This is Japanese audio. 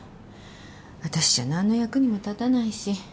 私じゃ何の役にも立たないし。